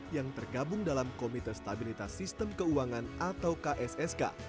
yang tergabung dalam komite stabilitas sistem keuangan atau kssk